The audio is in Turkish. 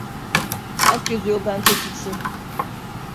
Herkes yoldan çekilsin!